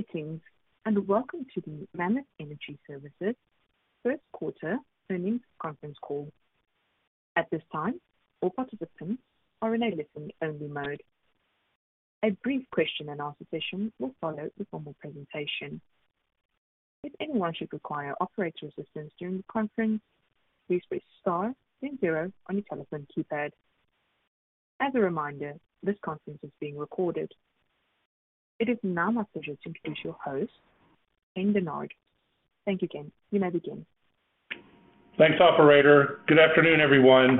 Greetings, welcome to the Mammoth Energy Services First Quarter Earnings Conference Call. At this time, all participants are in a listen only mode. A brief Q&A session will follow the formal presentation. If anyone should require operator assistance during the conference, please press star then zero on your telephone keypad. As a reminder, this conference is being recorded. It is now my pleasure to introduce your host, Ken Dennard. Thank you, Ken. You may begin. Thanks, operator. Good afternoon, everyone.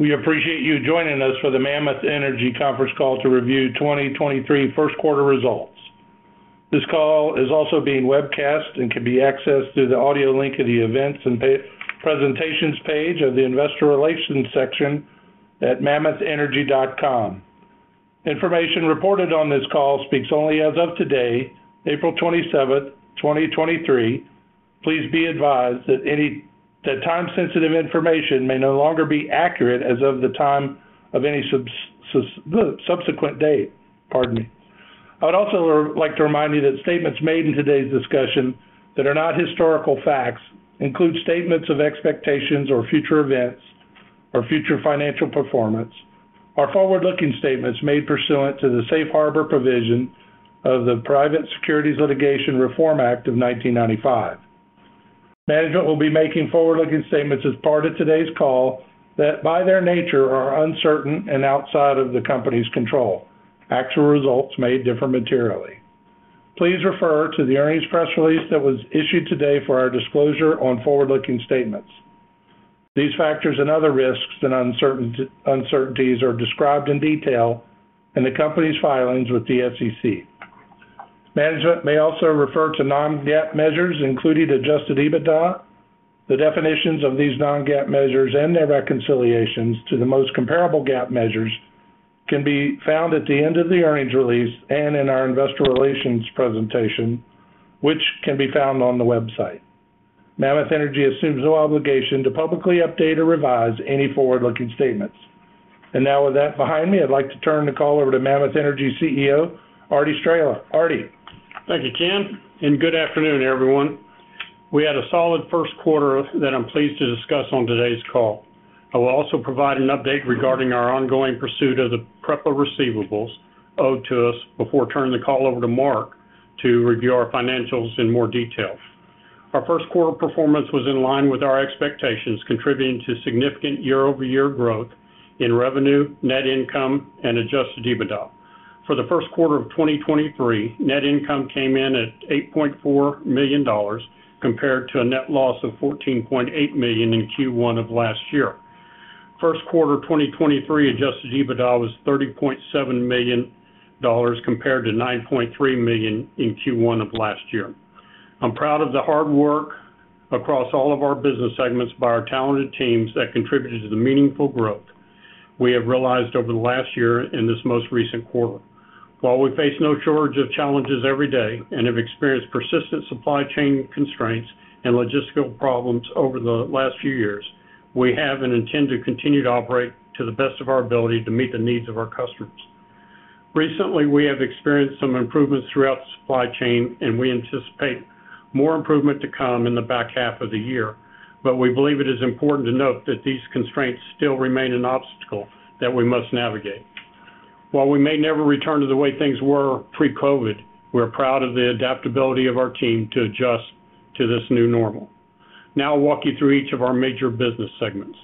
We appreciate you joining us for the Mammoth Energy conference call to review 2023 first quarter results. This call is also being webcast and can be accessed through the audio link of the Events and Presentations page of the investor relations section at mammothenergy.com. Information reported on this call speaks only as of today, April 27th, 2023. Please be advised that time sensitive information may no longer be accurate as of the time of any subsequent date. Pardon me. I would also like to remind you that statements made in today's discussion that are not historical facts include statements of expectations or future events or future financial performance are forward-looking statements made pursuant to the safe harbor provision of the Private Securities Litigation Reform Act of 1995. Management will be making forward-looking statements as part of today's call that, by their nature, are uncertain and outside of the company's control. Actual results may differ materially. Please refer to the earnings press release that was issued today for our disclosure on forward-looking statements. These factors and other risks and uncertainties are described in detail in the company's filings with the SEC. Management may also refer to non-GAAP measures, including adjusted EBITDA. The definitions of these non-GAAP measures and their reconciliations to the most comparable GAAP measures can be found at the end of the earnings release and in our investor relations presentation, which can be found on the website. Mammoth Energy assumes no obligation to publicly update or revise any forward-looking statements. Now, with that behind me, I'd like to turn the call over to Mammoth Energy CEO, Arty Straehla. Arty. Thank you, Ken, and good afternoon, everyone. We had a solid first quarter that I'm pleased to discuss on today's call. I will also provide an update regarding our ongoing pursuit of the PREPA receivables owed to us before turning the call over to Mark to review our financials in more detail. Our first quarter performance was in line with our expectations, contributing to significant year-over-year growth in revenue, net income, and adjusted EBITDA. For the first quarter of 2023, net income came in at $8.4 million compared to a net loss of $14.8 million in Q1 of last year. First quarter 2023 adjusted EBITDA was $30.7 million compared to $9.3 million in Q1 of last year. I'm proud of the hard work across all of our business segments by our talented teams that contributed to the meaningful growth we have realized over the last year in this most recent quarter. While we face no shortage of challenges every day and have experienced persistent supply chain constraints and logistical problems over the last few years, we have and intend to continue to operate to the best of our ability to meet the needs of our customers. Recently, we have experienced some improvements throughout the supply chain. We anticipate more improvement to come in the back half of the year. We believe it is important to note that these constraints still remain an obstacle that we must navigate. While we may never return to the way things were pre-COVID, we're proud of the adaptability of our team to adjust to this new normal. I'll walk you through each of our major business segments.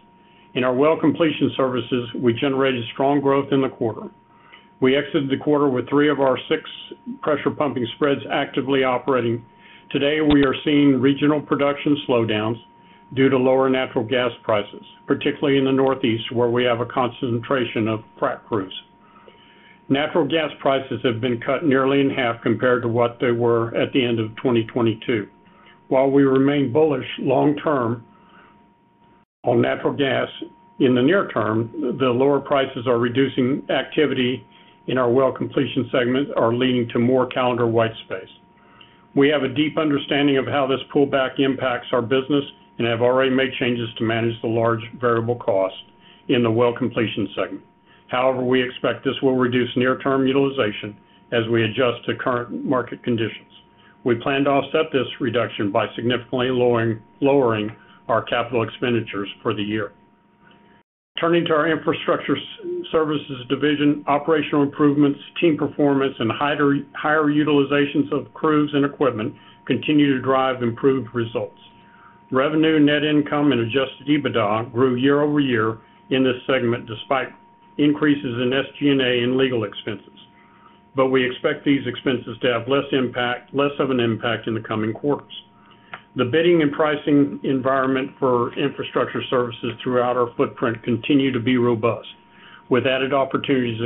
In our Well Completion Services, we generated strong growth in the quarter. We exited the quarter with three of our six pressure pumping spreads actively operating. Today, we are seeing regional production slowdowns due to lower natural gas prices, particularly in the Northeast, where we have a concentration of frac crews. Natural gas prices have been cut nearly in half compared to what they were at the end of 2022. While we remain bullish long term on natural gas in the near term, the lower prices are reducing activity in our Well Completion segment are leading to more calendar white space. We have a deep understanding of how this pullback impacts our business and have already made changes to manage the large variable cost in the Well Completion segment. However, we expect this will reduce near term utilization as we adjust to current market conditions. We plan to offset this reduction by significantly lowering our capital expenditures for the year. Turning to our infrastructure services division, operational improvements, team performance, and higher utilizations of crews and equipment continue to drive improved results. Revenue, net income and adjusted EBITDA grew year-over-year in this segment despite increases in SG&A and legal expenses. We expect these expenses to have less of an impact in the coming quarters. The bidding and pricing environment for infrastructure services throughout our footprint continue to be robust, with added opportunities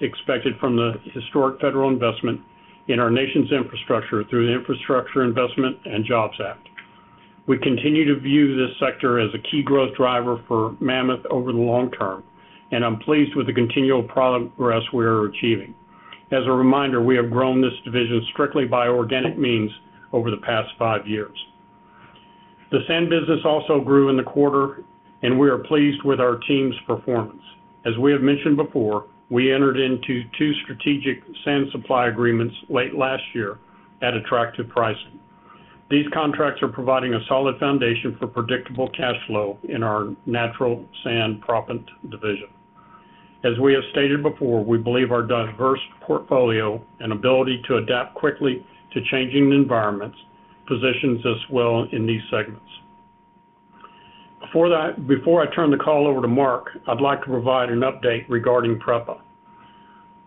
expected from the historic federal investment in our nation's infrastructure through the Infrastructure Investment and Jobs Act. We continue to view this sector as a key growth driver for Mammoth over the long term, and I'm pleased with the continual progress we are achieving. As a reminder, we have grown this division strictly by organic means over the past five years. The sand business also grew in the quarter, and we are pleased with our team's performance. As we have mentioned before, we entered into two strategic sand supply agreements late last year at attractive pricing. These contracts are providing a solid foundation for predictable cash flow in our natural sand proppant division. As we have stated before, we believe our diverse portfolio and ability to adapt quickly to changing environments positions us well in these segments. Before I turn the call over to Mark, I'd like to provide an update regarding PREPA.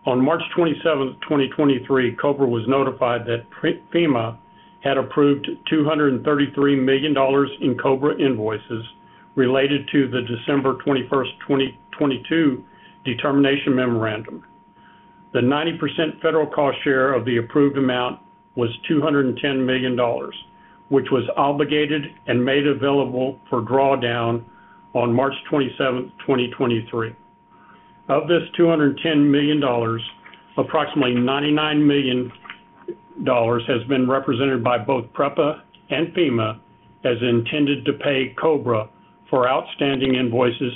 On March 27, 2023, Cobra was notified that FEMA had approved $233 million in Cobra invoices related to the December 21, 2022 Determination Memorandum. The 90% federal cost share of the approved amount was $210 million, which was obligated and made available for drawdown on March 27, 2023. Of this $210 million, approximately $99 million has been represented by both PREPA and FEMA as intended to pay Cobra for outstanding invoices,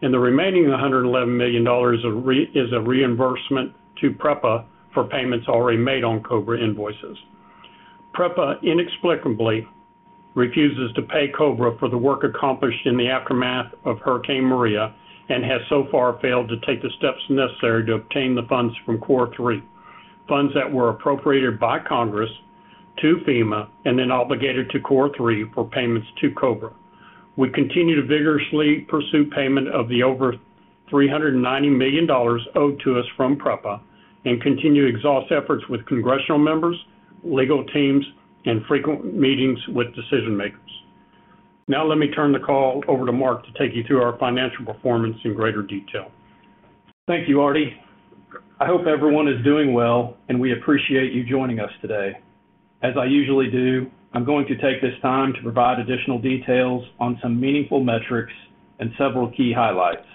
and the remaining $111 million is a reimbursement to PREPA for payments already made on Cobra invoices. PREPA inexplicably refuses to pay Cobra for the work accomplished in the aftermath of Hurricane Maria and has so far failed to take the steps necessary to obtain the funds from COR3, funds that were appropriated by Congress to FEMA and then obligated to COR3 for payments to Cobra. We continue to vigorously pursue payment of the over $390 million owed to us from PREPA and continue exhaust efforts with congressional members, legal teams, and frequent meetings with decision-makers. Let me turn the call over to Mark to take you through our financial performance in greater detail. Thank you, Arty. I hope everyone is doing well, and we appreciate you joining us today. As I usually do, I'm going to take this time to provide additional details on some meaningful metrics and several key highlights.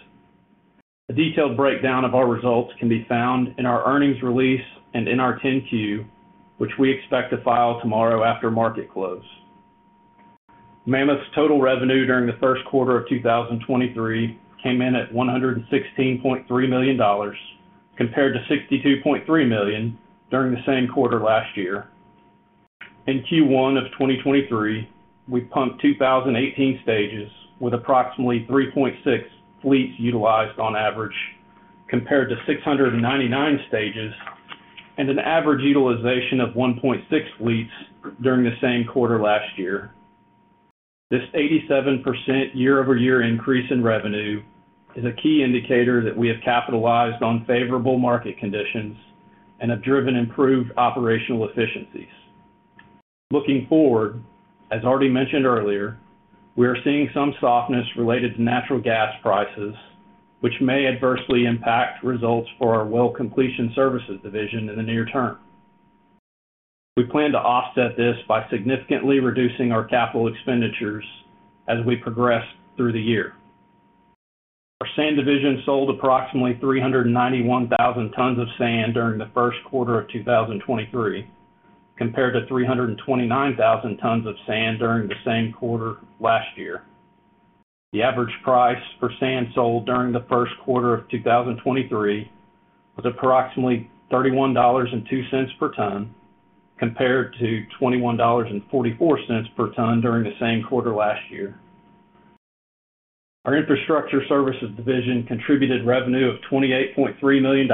A detailed breakdown of our results can be found in our earnings release and in our 10-Q, which we expect to file tomorrow after market close. Mammoth's total revenue during the first quarter of 2023 came in at $116.3 million compared to $62.3 million during the same quarter last year. In Q1 of 2023, we pumped 2,018 stages with approximately 3.6 fleets utilized on average compared to 699 stages and an average utilization of 1.6 fleets during the same quarter last year. This 87% year-over-year increase in revenue is a key indicator that we have capitalized on favorable market conditions and have driven improved operational efficiencies. Looking forward, as already mentioned earlier, we are seeing some softness related to natural gas prices, which may adversely impact results for our Well Completion Services division in the near term. We plan to offset this by significantly reducing our CapEx as we progress through the year. Our sand division sold approximately 391,000 tons of sand during the first quarter of 2023, compared to 329,000 tons of sand during the same quarter last year. The average price for sand sold during the first quarter of 2023 was approximately $31.02 per ton, compared to $21.44 per ton during the same quarter last year. Our infrastructure services division contributed revenue of $28.3 million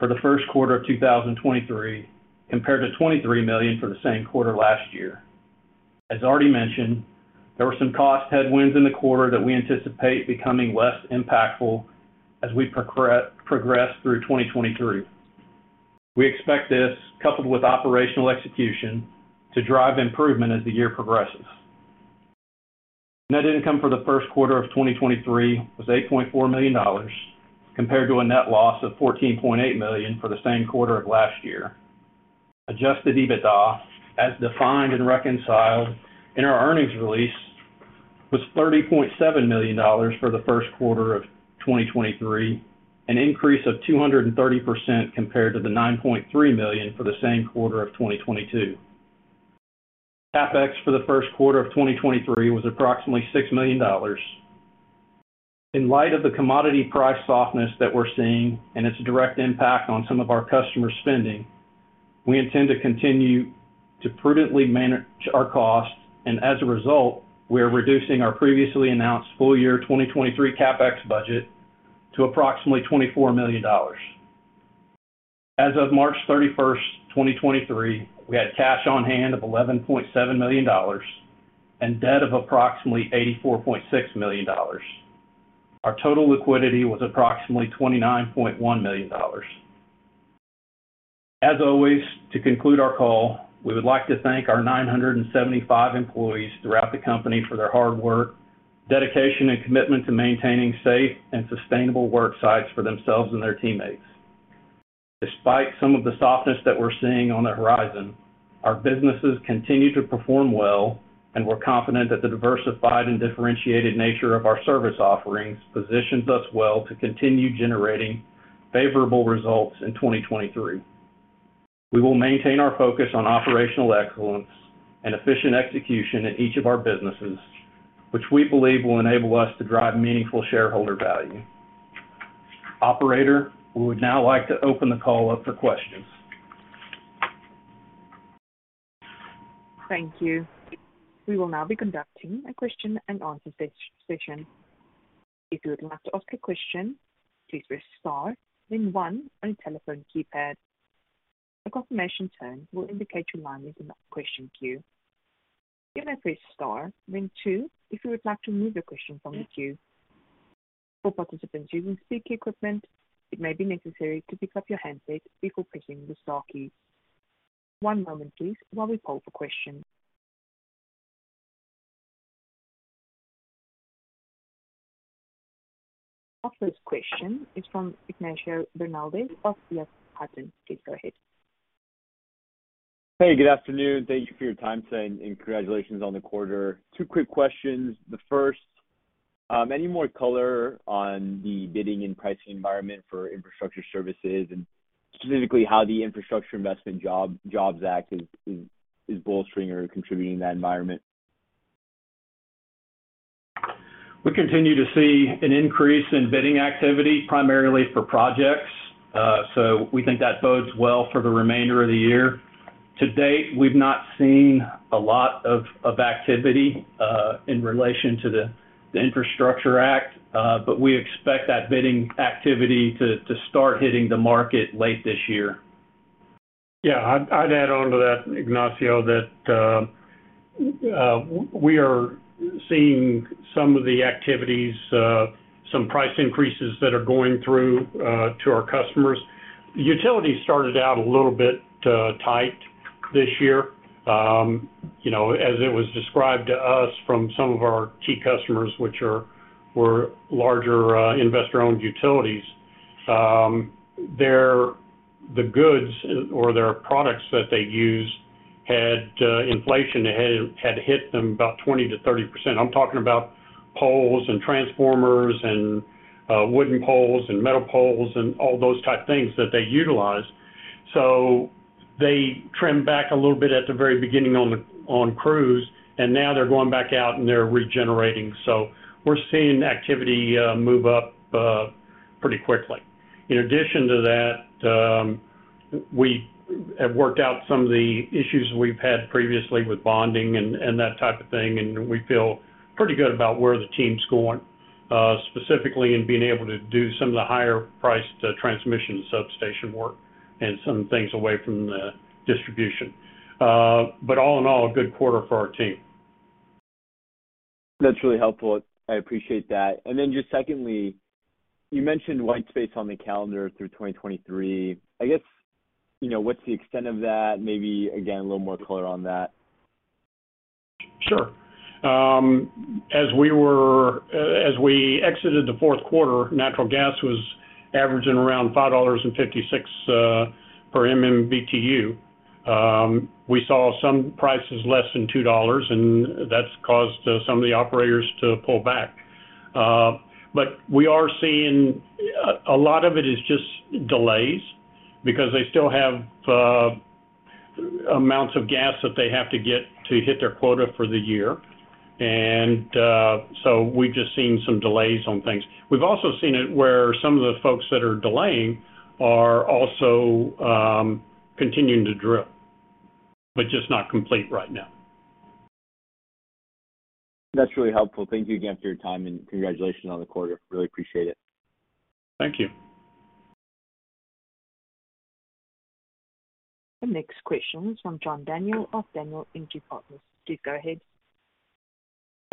for the first quarter of 2023, compared to $23 million for the same quarter last year. As already mentioned, there were some cost headwinds in the quarter that we anticipate becoming less impactful as we progress through 2023. We expect this, coupled with operational execution, to drive improvement as the year progresses. Net income for the first quarter of 2023 was $8.4 million, compared to a net loss of $14.8 million for the same quarter of last year. Adjusted EBITDA, as defined and reconciled in our earnings release, was $30.7 million for the first quarter of 2023, an increase of 230% compared to the $9.3 million for the same quarter of 2022. CapEx for the first quarter of 2023 was approximately $6 million. In light of the commodity price softness that we're seeing and its direct impact on some of our customers' spending, we intend to continue to prudently manage our costs, and as a result, we are reducing our previously announced full year 2023 CapEx budget to approximately $24 million. As of March 31, 2023, we had cash on hand of $11.7 million and debt of approximately $84.6 million. Our total liquidity was approximately $29.1 million. As always, to conclude our call, we would like to thank our 975 employees throughout the company for their hard work, dedication, and commitment to maintaining safe and sustainable work sites for themselves and their teammates. Despite some of the softness that we're seeing on the horizon, our businesses continue to perform well, and we're confident that the diversified and differentiated nature of our service offerings positions us well to continue generating favorable results in 2023. We will maintain our focus on operational excellence and efficient execution in each of our businesses, which we believe will enable us to drive meaningful shareholder value. Operator, we would now like to open the call up for questions. Thank you. We will now be conducting a Q&A session. If you would like to ask a question, please press star then one on your telephone keypad. A confirmation tone will indicate your line is in the question queue. You may press star then two if you would like to remove your question from the queue. For participants using speaker equipment, it may be necessary to pick up your handset before pressing the star key. One moment please while we poll for questions. Our first question is from Ignacio Bernaldez of EF Hutton. Please go ahead. Hey, good afternoon. Thank you for your time today, and congratulations on the quarter. Two quick questions. The first, any more color on the bidding and pricing environment for infrastructure services, and specifically how the Infrastructure Investment Jobs Act is bolstering or contributing to that environment? We continue to see an increase in bidding activity primarily for projects. We think that bodes well for the remainder of the year. To date, we've not seen a lot of activity in relation to the Infrastructure Act. We expect that bidding activity to start hitting the market late this year. I'd add on to that, Ignacio, that we are seeing some of the activities, some price increases that are going through to our customers. Utilities started out a little bit tight this year. You know, as it was described to us from some of our key customers, which were larger, investor-owned utilities. Their the goods or their products that they use had inflation hit them about 20%-30%. I'm talking about poles and transformers and wooden poles and metal poles and all those type of things that they utilize. They trimmed back a little bit at the very beginning on crews, and now they're going back out and they're regenerating. We're seeing activity move up pretty quickly. In addition to that, we have worked out some of the issues we've had previously with bonding and that type of thing, and we feel pretty good about where the team's going, specifically in being able to do some of the higher-priced transmission and substation work and some things away from the distribution. All in all, a good quarter for our team. That's really helpful. I appreciate that. Then just secondly, you mentioned white space on the calendar through 2023. I guess, you know, what's the extent of that? Maybe, again, a little more color on that. Sure. As we exited the fourth quarter, natural gas was averaging around $5.56 per MMBtu. We saw some prices less than $2, and that's caused some of the operators to pull back. We are seeing a lot of it is just delays because they still have amounts of gas that they have to get to hit their quota for the year. So we've just seen some delays on things. We've also seen it where some of the folks that are delaying are also continuing to drill, but just not complete right now. That's really helpful. Thank you again for your time, and congratulations on the quarter. Really appreciate it. Thank you. The next question is from John Daniel of Daniel Energy Partners. Please go ahead.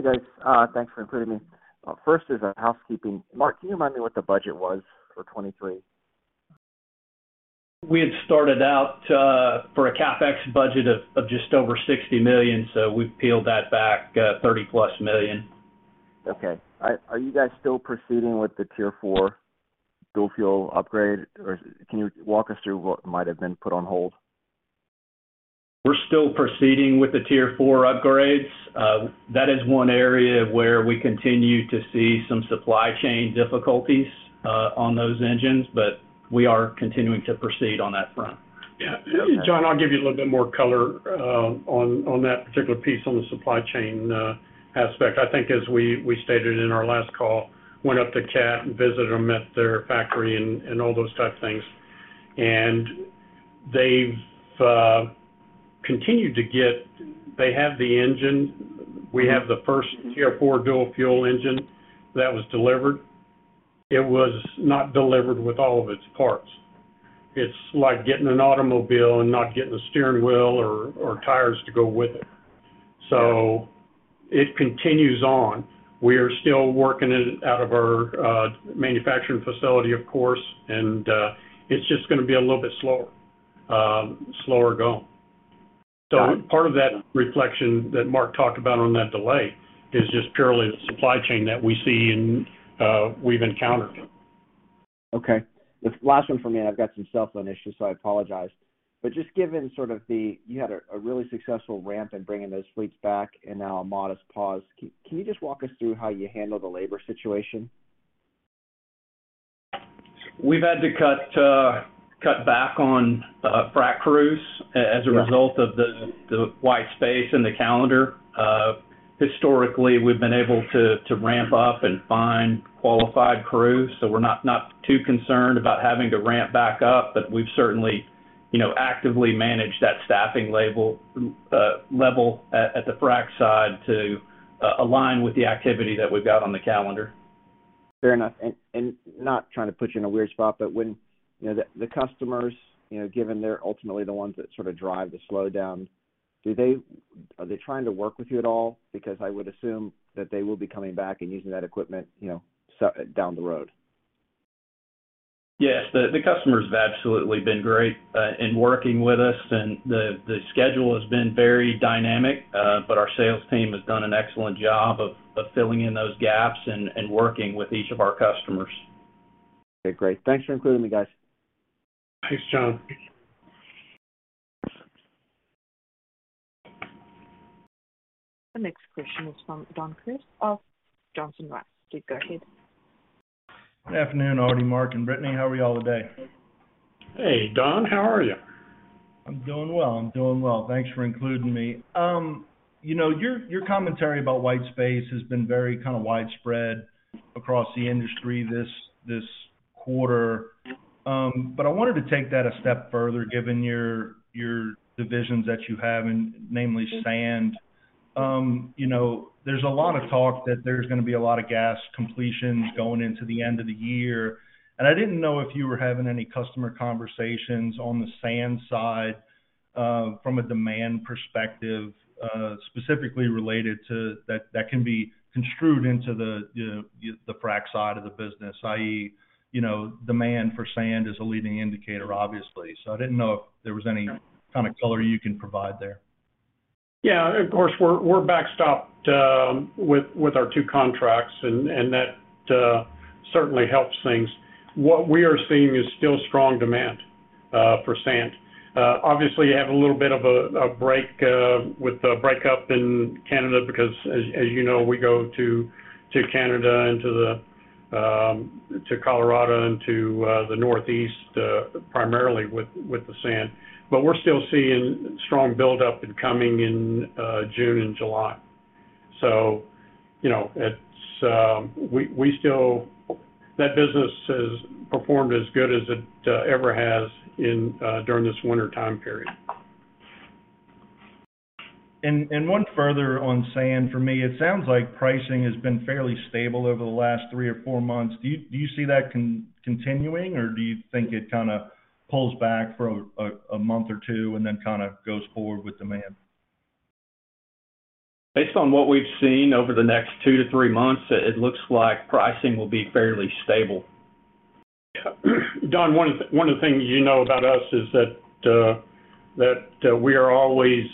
Hey, guys. Thanks for including me. First is a housekeeping. Mark, can you remind me what the budget was for 23? We had started out, for a CapEx budget of just over $60 million. We've peeled that back, $30+ million. Okay. Are you guys still proceeding with the Tier 4 dual fuel upgrade? Or can you walk us through what might have been put on hold? We're still proceeding with the Tier 4 upgrades. That is one area where we continue to see some supply chain difficulties on those engines, but we are continuing to proceed on that front. John, I'll give you a little bit more color on that particular piece on the supply chain aspect. I think as we stated in our last call, went up to Cat and visited them at their factory and all those type of things. They've continued. They have the engine. We have the first Tier 4 dual fuel engine that was delivered. It was not delivered with all of its parts. It's like getting an automobile and not getting the steering wheel or tires to go with it. It continues on. We are still working it out of our manufacturing facility, of course. It's just gonna be a little bit slower going. Got it. Part of that reflection that Mark talked about on that delay is just purely the supply chain that we see and we've encountered. Okay. The last one for me. I've got some cell phone issues, so I apologize. Just given sort of you had a really successful ramp in bringing those fleets back and now a modest pause. Can you just walk us through how you handle the labor situation? We've had to cut back on frac crews as a result of the white space in the calendar. Historically, we've been able to ramp up and find qualified crews, so we're not too concerned about having to ramp back up. We've certainly, you know, actively managed that staffing level at the frac side to align with the activity that we've got on the calendar. Fair enough. Not trying to put you in a weird spot, when, you know, the customers, you know, given they're ultimately the ones that sort of drive the slowdown, are they trying to work with you at all? I would assume that they will be coming back and using that equipment, you know, down the road. Yes. The customers have absolutely been great in working with us. The schedule has been very dynamic. Our sales team has done an excellent job of filling in those gaps and working with each of our customers. Okay, great. Thanks for including me, guys. Thanks, John. The next question is from Don Crist of Johnson Rice. Please go ahead. Good afternoon, Arty, Mark, and Brittany. How are y'all today? Hey, Don. How are you? I'm doing well. I'm doing well. Thanks for including me. you know, your commentary about white space has been very kind of widespread across the industry this quarter. I wanted to take that a step further, given your divisions that you have, and namely sand. you know, there's a lot of talk that there's gonna be a lot of gas completions going into the end of the year, I didn't know if you were having any customer conversations on the sand side, from a demand perspective, specifically related to that can be construed into the, you know, the frac side of the business, i.e., you know, demand for sand is a leading indicator, obviously. I didn't know if there was any kind of color you can provide there. Of course, we're backstopped with our two contracts and that certainly helps things. What we are seeing is still strong demand for sand. Obviously, you have a little bit of a break with the breakup in Canada because as you know, we go to Canada and to Colorado and to the Northeast primarily with the sand. We're still seeing strong buildup and coming in June and July. You know, it's. We still. That business has performed as good as it ever has during this winter time period. One further on sand for me. It sounds like pricing has been fairly stable over the last three or four months. Do you see that continuing, or do you think it kind of pulls back for a month or two and then kind of goes forward with demand? Based on what we've seen over the next two to three months, it looks like pricing will be fairly stable. Don, one of the things you know about us is that, we are always,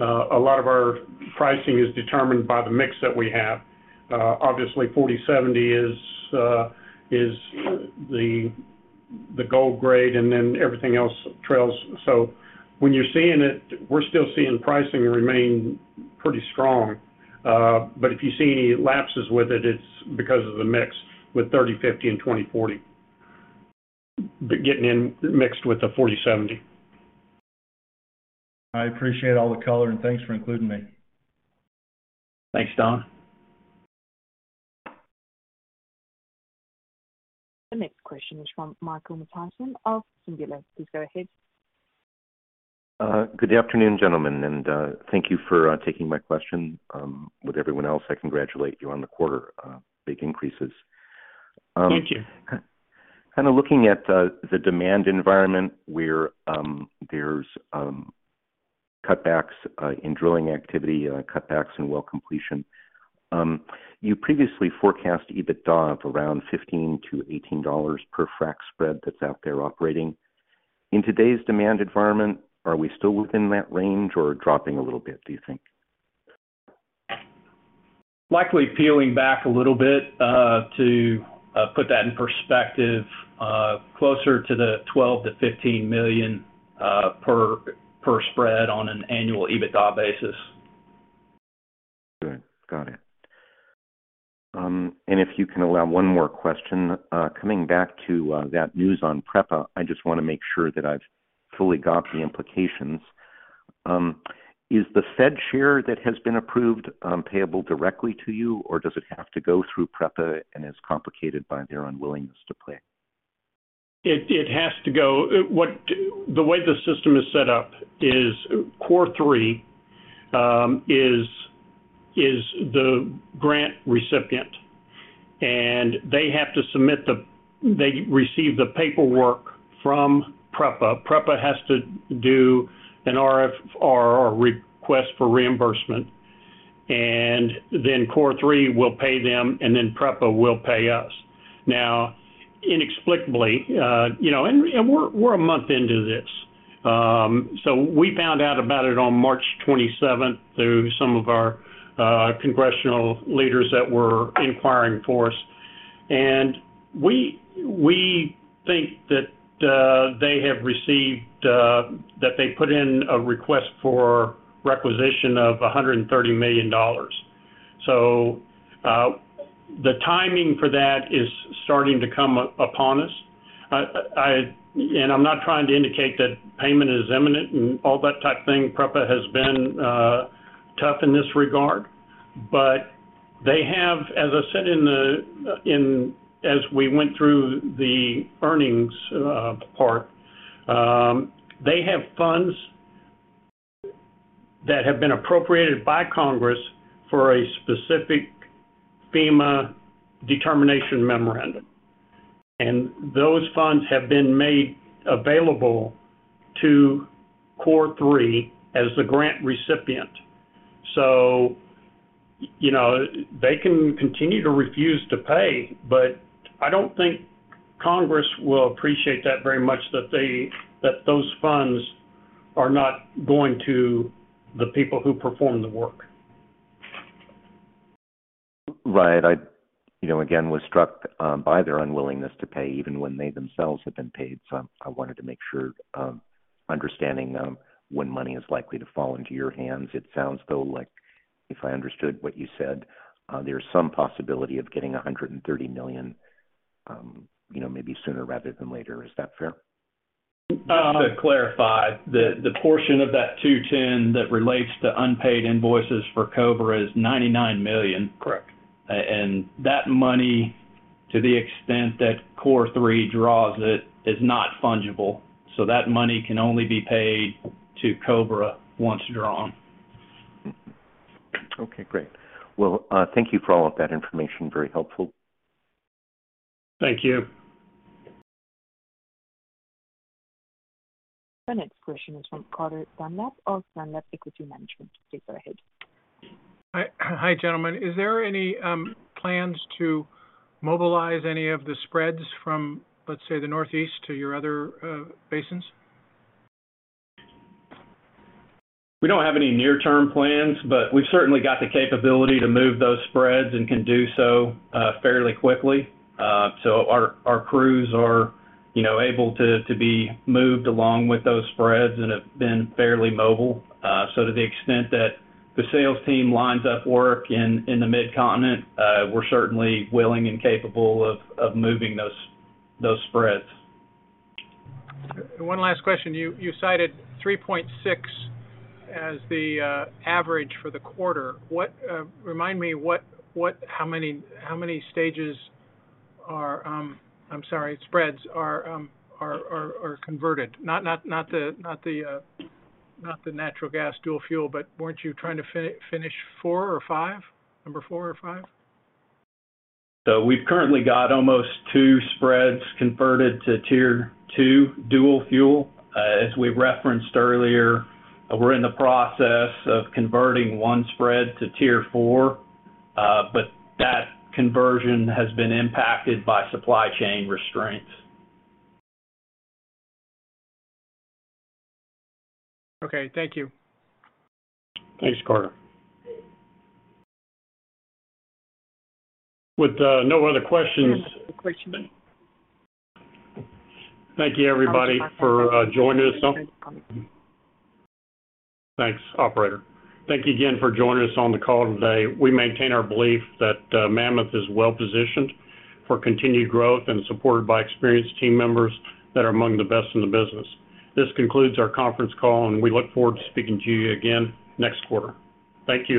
a lot of our pricing is determined by the mix that we have. Obviously, 40/70 is the gold grade, and then everything else trails. When you're seeing it, we're still seeing pricing remain pretty strong. If you see any lapses with it's because of the mix with 30/50 and 20/40. Getting in mixed with the 40/70. I appreciate all the color, and thanks for including me. Thanks, Don. The next question is from Michael. [inaudible] Please go ahead. Good afternoon, gentlemen, and thank you for taking my question. With everyone else, I congratulate you on the quarter, big increases. Thank you. Kind of looking at the demand environment where there's cutbacks in drilling activity, cutbacks in Well Completion. You previously forecast adjusted EBITDA of around $15-$18 per frac spread that's out there operating. In today's demand environment, are we still within that range or dropping a little bit, do you think? Likely peeling back a little bit, to put that in perspective, closer to the $12 million-$15 million per spread on an annual EBITDA basis. Good. Got it. If you can allow one more question. Coming back to that news on PREPA, I just wanna make sure that I've fully got the implications. Is the Fed share that has been approved, payable directly to you, or does it have to go through PREPA and is complicated by their unwillingness to play? It has to go. The way the system is set up is COR3 is the grant recipient, and they have to submit. They receive the paperwork from PREPA. PREPA has to do an RFR, or request for reimbursement. Then COR3 will pay them. Then PREPA will pay us. Inexplicably, you know, you know, we're a month into this. We found out about it on March 27th through some of our congressional leaders that were inquiring for us. We think that they have received that they put in a request for requisition of $130 million. The timing for that is starting to come upon us. I'm not trying to indicate that payment is imminent and all that type thing. PREPA has been tough in this regard. They have, as I said in the, as we went through the earnings part, they have funds that have been appropriated by Congress for a specific FEMA Determination Memorandum. Those funds have been made available to COR3 as the grant recipient. You know, they can continue to refuse to pay, but I don't think Congress will appreciate that very much that they, that those funds are not going to the people who perform the work. Right. I, you know, again, was struck by their unwillingness to pay even when they themselves have been paid. I wanted to make sure, understanding, when money is likely to fall into your hands. It sounds, though, like if I understood what you said, there's some possibility of getting $130 million, you know, maybe sooner rather than later. Is that fair? To clarify, the portion of that 210 that relates to unpaid invoices for Cobra is $99 million. Correct. That money, to the extent that COR3 draws it, is not fungible. That money can only be paid to Cobra once drawn. Okay, great. Thank you for all of that information. Very helpful. Thank you. The next question is from Carter Dunlap of Dunlap Equity Management. Please go ahead. Hi, gentlemen. Is there any plans to mobilize any of the spreads from, let's say, the Northeast to your other basins? We don't have any near-term plans, but we've certainly got the capability to move those spreads and can do so, fairly quickly. Our crews are, you know, able to be moved along with those spreads and have been fairly mobile. To the extent that the sales team lines up work in the Mid-Continent, we're certainly willing and capable of moving those spreads. One last question. You, you cited 3.6 as the average for the quarter. What, remind me what, how many stages are, I'm sorry, spreads are converted? Not the natural gas dual fuel, but weren't you trying to finish four or five? Number four or five? We've currently got almost two spreads converted to Tier 2 dual fuel. As we referenced earlier, we're in the process of converting one spread to Tier 4, but that conversion has been impacted by supply chain restraints. Okay, thank you. Thanks, Carter. With no other questions. Next question. Thank you everybody for joining us. Next question. Thanks, operator. Thank you again for joining us on the call today. We maintain our belief that Mammoth is well-positioned for continued growth and supported by experienced team members that are among the best in the business. This concludes our conference call, and we look forward to speaking to you again next quarter. Thank you.